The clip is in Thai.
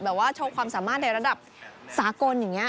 แบบว่าโชคความสามารถในระดับสากลอย่างนี้